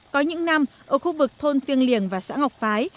có những năm ở khu vực thôn tiêng liềng và xã ngọc phái